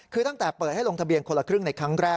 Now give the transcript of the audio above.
คือตั้งแต่เปิดให้ลงทะเบียนคนละครึ่งในครั้งแรก